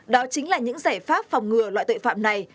đó chính là những giải pháp phòng ngừa loại tội phạm này